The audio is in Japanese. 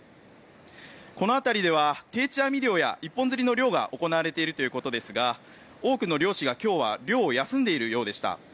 この辺りでは定置網漁や一本釣りの漁が行われているということですが多くの漁師が今日は漁を休んでいるようでした。